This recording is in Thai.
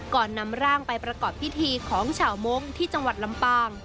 นำร่างไปประกอบพิธีของชาวมงค์ที่จังหวัดลำปาง